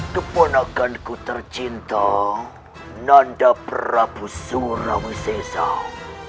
kepanaganku tercinta nanda prabu suramu cezar